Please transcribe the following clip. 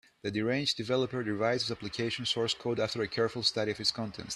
The deranged developer revised his application source code after a careful study of its contents.